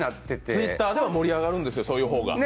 Ｔｗｉｔｔｅｒでは盛り上がるんですよ、そういう方が。